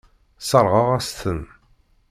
Sseṛɣeɣ-as-ten.